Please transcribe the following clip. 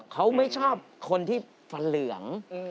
เขาไม่ชอบคนที่ฟันเหลือง